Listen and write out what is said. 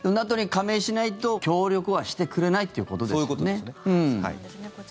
でもＮＡＴＯに加盟しないと協力はしてくれないということですよね。